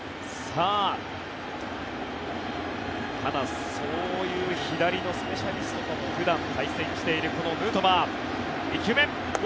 ただ、そういう左のスペシャリストとも普段、対戦しているヌートバー。